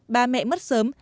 ba mẹ mất sớm